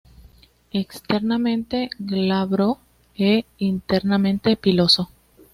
Externamente glabro e internamente piloso.